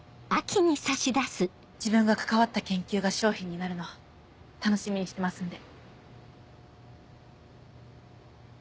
自分が関わった研究が商品になるの楽しみにしてますんで。